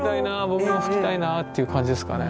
僕も吹きたいなあっていう感じですかね。